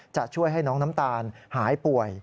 จะช่วยให้น้องน้ำตาลหายป่วย